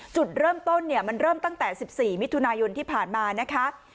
จุดเริ่มต้นเนี่ยมันเริ่มตั้งแต่๑๔มิถุนายนที่ผ่านมานะคะ